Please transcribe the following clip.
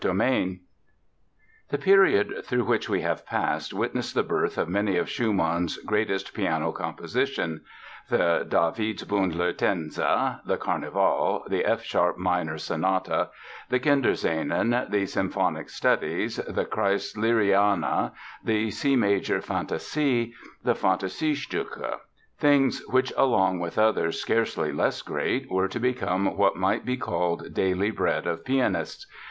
The period through which we have passed witnessed the birth of many of Schumann's greatest piano compositions—the "Davidsbündler Tänze", the "Carnival", the F sharp minor Sonata, the "Kinderscenen", the "Symphonic Studies", the "Kreisleriana", the C major Fantasie, the "Fantasiestücke"—things which along with others scarcely less great, were to become what might be called daily bread of pianists.